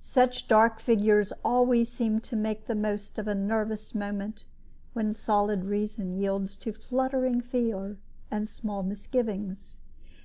Such dark figures always seem to make the most of a nervous moment, when solid reason yields to fluttering fear and small misgivings.